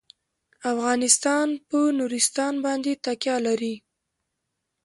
افغانستان په نورستان باندې تکیه لري.